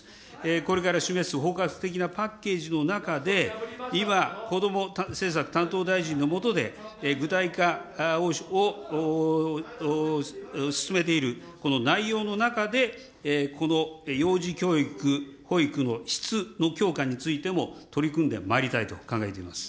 これから示す包括的なパッケージの中で、今、こども政策担当大臣の下で、具体化を進めているこの内容の中で、この幼児教育、保育の質の強化についても、取り組んでまいりたいと考えています。